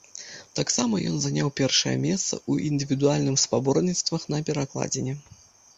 Таксама, ён заняў першае месца ў індывідуальным спаборніцтвах на перакладзіне.